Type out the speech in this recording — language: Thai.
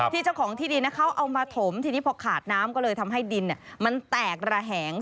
เจ้าของที่ดินเขาเอามาถมทีนี้พอขาดน้ำก็เลยทำให้ดินมันแตกระแหง